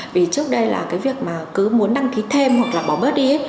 vì trước đây là cái việc mà cứ muốn đăng ký thêm hoặc là bỏ bớt đi